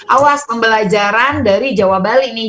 awas pembelajaran dari jawa bali nih